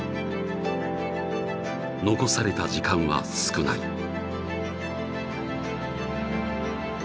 残された時間は少ない。